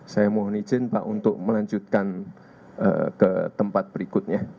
saya mohon izin pak untuk melanjutkan ke tempat berikutnya